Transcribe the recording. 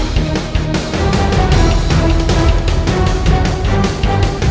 kanda akan menanyakannya kepada mereka